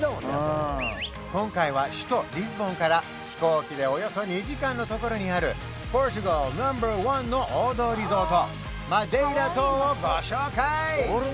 今回は首都リスボンから飛行機でおよそ２時間のところにあるポルトガルナンバーワンの王道リゾートマデイラ島をご紹介！